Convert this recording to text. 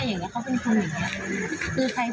เชื่อคุ้มง่ายแล้วก็เป็นคนที่เงียบ